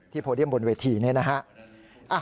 โพเดียมบนเวทีนี้นะฮะ